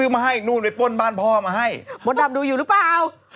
มาให้บดดำดูอยู่หรือเปล่า